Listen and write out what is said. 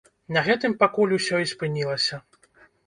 На гэтым пакуль усё і спынілася.